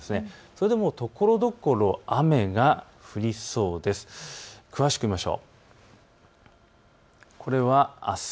それでも、ところどころ雨が降りそうです。